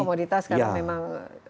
komoditas sekarang memang